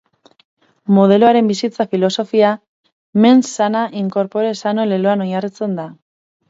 Modeloaren bizitza filosofia mens sana in corpore sano leloan oinarritzen da.